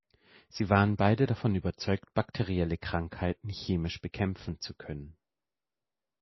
Sie waren beide davon überzeugt, bakterielle Krankheiten chemisch bekämpfen zu können.